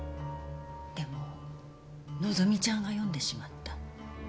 でも希ちゃんが読んでしまった。